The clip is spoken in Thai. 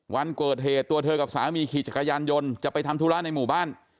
วันเกิดเหตุตัวเธอกับสามีขี่จักรยานยนต์จะไปทำธุระในหมู่บ้าน